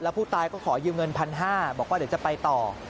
แล้วผู้ตายก็ขอยืมเงินพันห้าบอกว่าเดี๋ยวจะไปต่อ